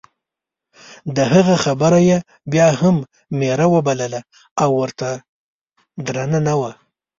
د هغه خبره یې بیا هم میره وبلله او ورته درنه وه.